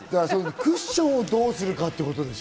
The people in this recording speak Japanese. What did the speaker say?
クッションをどうするかって事でしょ？